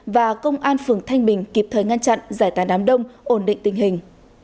và công an phường thanh bình kịp thời ngăn chặn giải tàn đám đông ổn định tình hình